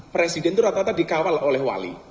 presiden itu rata rata dikawal oleh wali